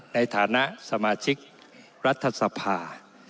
ในฐานะสมาชิกรัฐสภา